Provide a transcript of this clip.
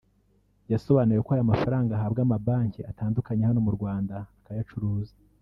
yasobanuye ko aya mafaranga ahabwa amabanki atandukanye hano mu Rwanda akayacuruza